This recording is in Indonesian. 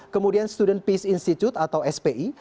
kemudian student peace institute atau spi